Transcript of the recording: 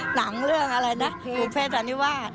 หนังเรื่องอะไรนะภูเภษธรรมนิวาส